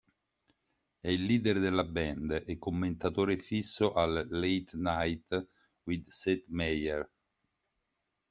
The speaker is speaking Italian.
È il leader della band e commentatore fisso al Late Night with Seth Meyers.